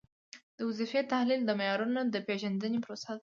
د وظیفې تحلیل د معیارونو د پیژندنې پروسه ده.